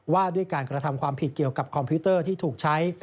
ว่าด้วยการกระทำความผิดเกี่ยวกับคอมพิวเตอร์ที่ถูกใช้